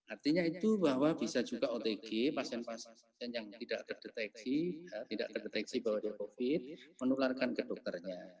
artinya itu bahwa bisa juga otg pasien pasien yang tidak terdeteksi tidak terdeteksi bahwa dia covid menularkan ke dokternya